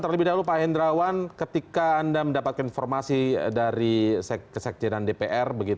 terlebih dahulu pak hendrawan ketika anda mendapatkan informasi dari kesekjenan dpr